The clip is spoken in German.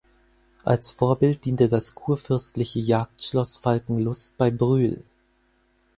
Als Vorbild diente das kurfürstliche Jagdschloss Falkenlust bei Brühl.